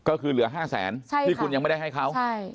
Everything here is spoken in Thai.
ก็คือเหลือห้าแสนใช่ค่ะที่คุณยังไม่ได้ให้เขาใช่